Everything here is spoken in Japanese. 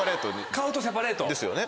顔とセパレート。ですよね？